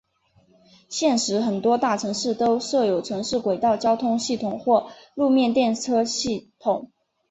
现时很多大城市都设有城市轨道交通系统或路面电车系统。